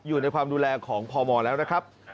อยู่ในความดูแลของพมแล้วนะครับ